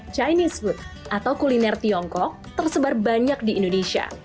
chinese food atau kuliner tiongkok tersebar banyak di indonesia